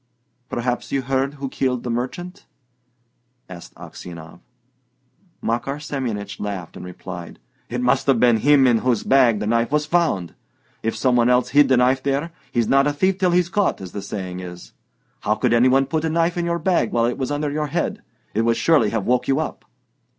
"Perhaps you heard who killed the merchant?" asked Aksionov. Makar Semyonich laughed, and replied: "It must have been him in whose bag the knife was found! If some one else hid the knife there, 'He's not a thief till he's caught,' as the saying is. How could any one put a knife into your bag while it was under your head? It would surely have woke you up."